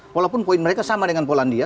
walaupun poin mereka sama dengan polandia